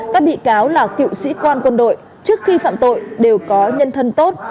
các bị cáo là cựu sĩ quan quân đội trước khi phạm tội đều có nhân thân tốt